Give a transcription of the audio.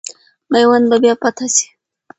میوند به بیا فتح سي.